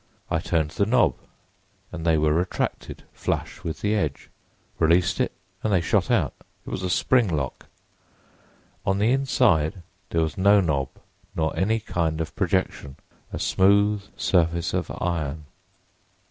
I turned the knob and they were retracted flush with the edge; released it, and they shot out. It was a spring lock. On the inside there was no knob, nor any kind of projection—a smooth surface of iron.